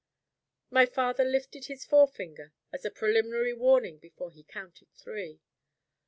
My father lifted his forefinger as a preliminary warning before he counted Three.